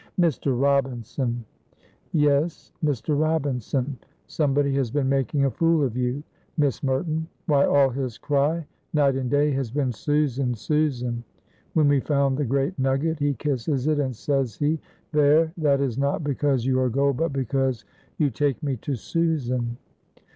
"Mr. Robinson!" "Yes, Mr. Robinson. Somebody has been making a fool of you, Miss Merton. Why, all his cry night and day has been, 'Susan! Susan!' When we found the great nugget he kisses it, and says he, 'There, that is not because you are gold, but because you take me to Susan.'"